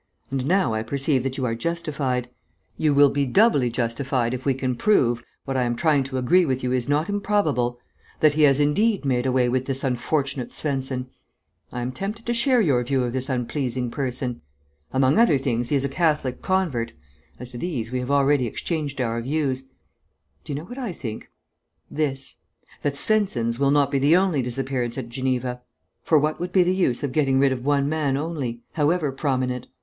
And now I perceive that you are justified. You will be doubly justified if we can prove, what I am trying to agree with you is not improbable, that he has indeed made away with this unfortunate Svensen. I am tempted to share your view of this unpleasing person. Among other things he is a Catholic convert; as to these we have already exchanged our views.... Do you know what I think? This; that Svensen's will not be the only disappearance at Geneva. For what would be the use of getting rid of one man only, however prominent?